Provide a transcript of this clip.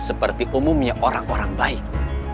seperti umumnya orang orang baik